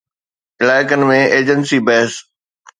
علائقن ۾ ايجنسي بحث